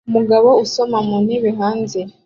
Umugabo usoma mu ntebe hanze